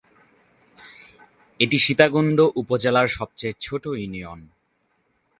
এটি সীতাকুণ্ড উপজেলার সবচেয়ে ছোট ইউনিয়ন।